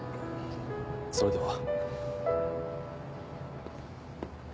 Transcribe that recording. それでは。